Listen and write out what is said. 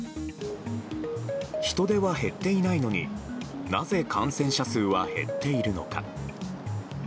人出は減っていないのになぜ感染者数は減っているのか。